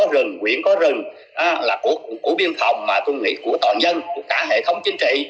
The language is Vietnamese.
rừng quyển có rừng là của biên phòng mà tôi nghĩ của toàn dân của cả hệ thống chính trị